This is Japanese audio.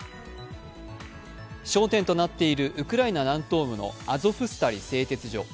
焦点となっているウクライナ南東部のアゾフスタリ製鉄所。